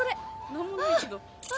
なんもないけど。